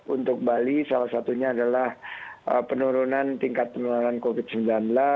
untuk bali salah satunya adalah penurunan tingkat penularan covid sembilan belas